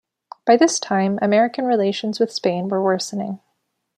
By this time, American relations with Spain were worsening.